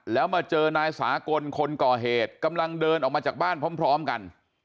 แล้วมาเจอนายสากลคนก่อเหตุกำลังเดินออกมาจากบ้านพร้อมกัน